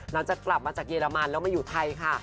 หลังจากกลับมาจากเยอรมันแล้วมาอยู่ไทยค่ะ